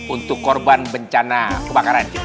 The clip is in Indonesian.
untuk korban bencana kebakaran